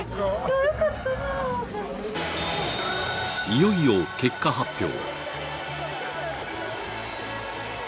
いよいよ結果発表。